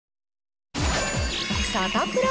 サタプラ。